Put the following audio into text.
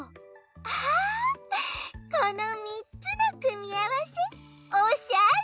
あこのみっつのくみあわせおしゃれ！